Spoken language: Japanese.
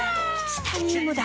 チタニウムだ！